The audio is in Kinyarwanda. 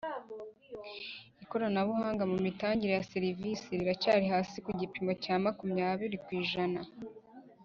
Ikoranabuhanga mu mitangire ya serivisi riracyari hasi ku gipimo cya makumyabiri ku ijana